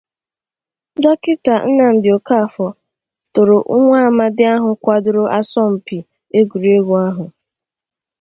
Dọkịta Nnamdị Okafor tòrò nwa amadi ahụ kwadoro asọmpi egwuregwu ahụ